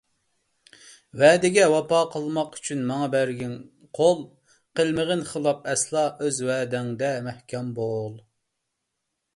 ۋەدىگە ۋاپا قىلماق ئۈچۈن ماڭا بەرگىن قول، قىلمىغىن خىلاپ ئەسلا، ئۆز ۋەدەڭدە مەھكەم بول.